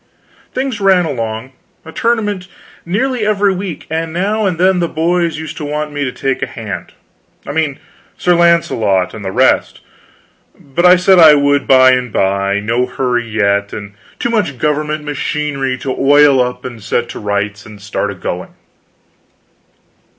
Things ran along, a tournament nearly every week; and now and then the boys used to want me to take a hand I mean Sir Launcelot and the rest but I said I would by and by; no hurry yet, and too much government machinery to oil up and set to rights and start a going.